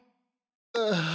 ああ。